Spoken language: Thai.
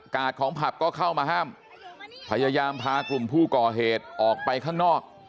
ของผับก็เข้ามาห้ามพยายามพากลุ่มผู้ก่อเหตุออกไปข้างนอก